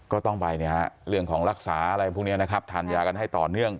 ก็ต้องไปเรื่องของรักษาอะไรพวกนี้นะครับทานยากันให้ต่อเนื่อง